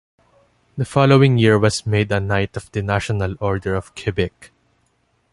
The following year was made a Knight of the National Order of Quebec.